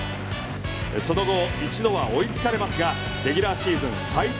その後一度は追いつかれますがレギュラーシーズン最多